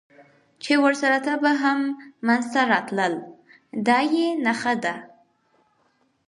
چې ورسره تبه هم منځته راتلل، دا یې نښه ده.